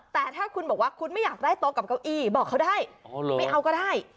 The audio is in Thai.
แต่ถ้าคุณบอกว่าคุณไม่อยากได้โต๊ะกับเก้าอี้บอกเขาได้ไม่เอาก็ได้